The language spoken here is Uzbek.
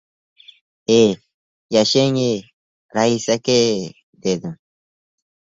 E, yashang-ye, rais aka-ye, dedim.